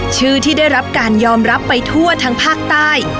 ชื่อที่ได้รับการยอมรับไปทั่วทั้งภาคใต้